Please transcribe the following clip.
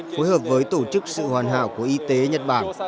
phối hợp với tổ chức sự hoàn hảo của y tế nhật bản